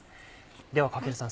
では駈さん